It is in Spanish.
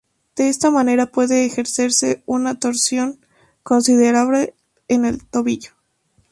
De esta manera puede ejercerse una torsión considerable en el tobillo.